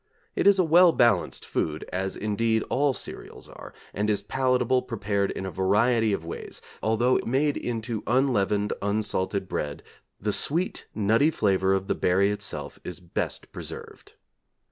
It is a well balanced food, as indeed, all cereals are, and is palatable prepared in a variety of ways, although, made into unleavened, unsalted bread, the sweet, nutty flavour of the berry itself is best preserved.